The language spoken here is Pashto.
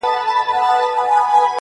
د وخت له کانه به را باسمه غمي د الماس.